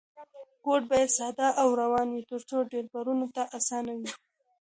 کوډ باید ساده او روان وي ترڅو ډیولپرانو ته اسانه وي.